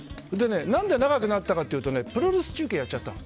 何で長くなったかというとプロレス中継やっちゃったの。